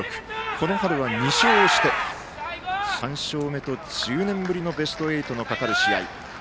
この春は２勝して３勝目と１０年ぶりのベスト８のかかる試合。